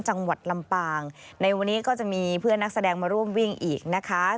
จังหวัดลำปางในวันนี้ก็จะมีเพื่อนนักแสดงมาร่วมวิ่งอีกนะคะ